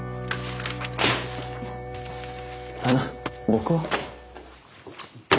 あの僕は？